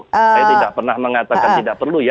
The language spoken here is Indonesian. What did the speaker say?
saya tidak pernah mengatakan tidak perlu ya